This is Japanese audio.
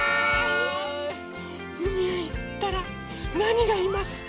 うみへいったらなにがいますか？